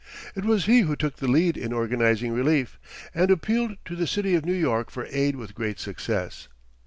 It was he who took the lead in organizing relief, and appealed to the city of New York for aid with great success.